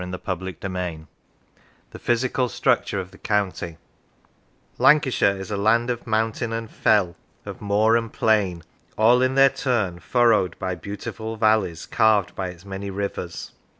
CHAPTER III THE PHYSICAL STRUCTURE OF THE COUNTY LANCASHIRE is a land of mountain and fell, of moor and plain, all in their turn furrowed by beautiful valleys carved by its many rivers.